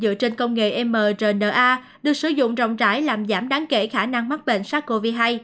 dựa trên công nghệ mrna được sử dụng rộng rãi làm giảm đáng kể khả năng mắc bệnh sars cov hai